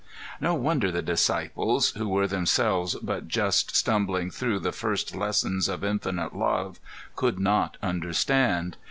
✠ No wonder the disciples, who were themselves but just stumbling through the first lessons of infinite Love, could not understand.